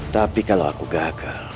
tapi kalau aku gagal